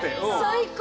最高！